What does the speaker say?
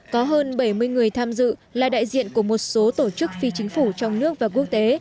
có hơn bảy mươi người tham dự là đại diện của một số tổ chức phi chính phủ trong nước và quốc tế